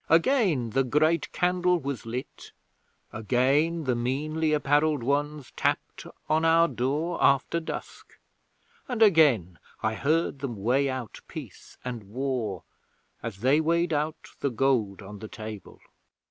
Again the Great Candle was lit; again the meanly apparelled ones tapped on our door after dusk; and again I heard them weigh out peace and war, as they weighed out the gold on the table.